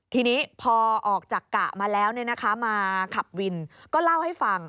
ทีนี้พอออกจากกะมาแล้วมาขับวินก็เล่าให้ฟัง